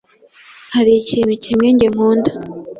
hari ikintu kimwe njye nkunda